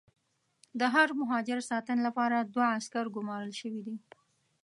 د هر مهاجر ساتنې لپاره دوه عسکر ګومارل شوي دي.